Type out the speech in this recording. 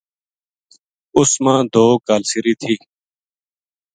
اس ما دو کالسری تھی